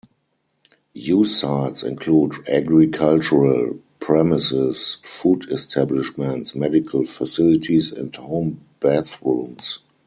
Use sites include agricultural premises, food establishments, medical facilities, and home bathrooms.